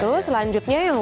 terus selanjutnya yang oke